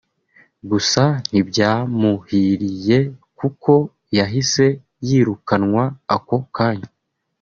Gusa ntibyamuhiriye kuko yahise yirukanwa ako kanya